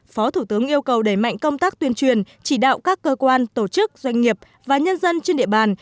phó thủ tướng yêu cầu đẩy mạnh công tác tuyên truyền chỉ đạo các cơ quan tổ chức doanh nghiệp và nhân dân trên địa bàn